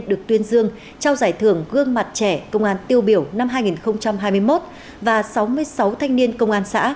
được tuyên dương trao giải thưởng gương mặt trẻ công an tiêu biểu năm hai nghìn hai mươi một và sáu mươi sáu thanh niên công an xã